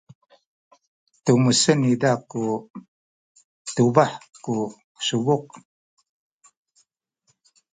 tumesan niza tu tubah ku subuk.